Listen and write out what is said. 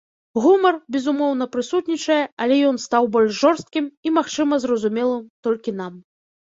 Гумар, безумоўна, прысутнічае, але ён стаў больш жорсткім і, магчыма, зразумелым толькі нам.